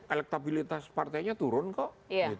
elektabilitas partainya turun kok